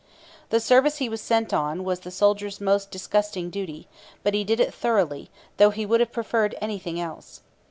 The service he was sent on was the soldier's most disgusting duty; but he did it thoroughly, though he would have preferred anything else.